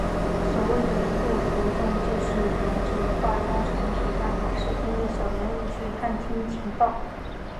所谓的座头众就是忍者化妆成琵琶法师中的小人物去探听情报。